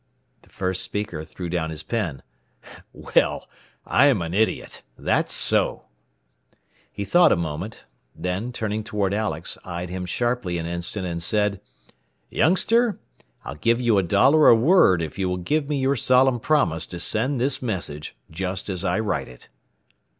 The first speaker threw down his pen. "Well, I'm an idiot. That's so." He thought a moment, then, turning toward Alex, eyed him sharply an instant, and said: "Youngster, I'll give you a dollar a word if you will give me your solemn promise to send this message just as I write it."